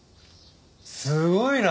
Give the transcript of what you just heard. すごいな。